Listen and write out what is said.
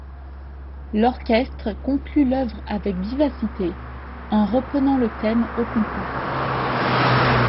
L'orchestre conclut l'œuvre avec vivacité en reprenant le thème au complet.